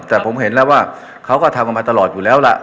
แต่ผมเห็นแล้วว่าเขาก็ทำกันมาตลอดอยู่แล้วล่ะ